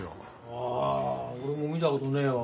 ああ俺も見た事ねえわ。